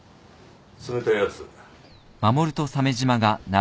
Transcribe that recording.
冷たいやつ。